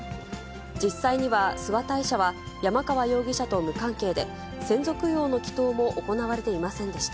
実際には諏訪大社は、山川容疑者と無関係で、先祖供養の祈とうも行われていませんでした。